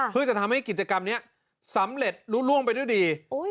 เพื่อจะทำให้กิจกรรมนี้สำเร็จรู้ล่วงไปด้วยดี